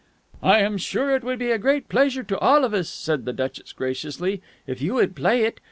"I am sure it would be a great pleasure to all of us," said the duchess graciously, "if you would play it.